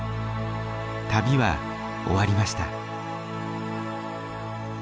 旅は終わりました。